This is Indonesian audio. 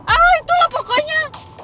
ah itulah pokoknya